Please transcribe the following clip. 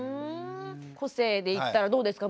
個性でいったらどうですか？